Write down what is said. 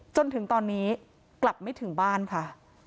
จนถึงตอนนี้กลับไม่ถึงบ้านค่ะ